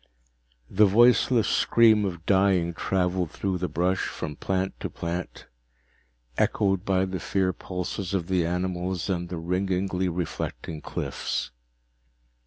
The voiceless scream of dying traveled through the brush, from plant to plant, echoed by the fear pulses of the animals and the ringingly reflecting cliffs.